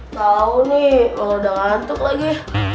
tau nih udah ngantuk lagi